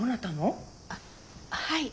あっはい。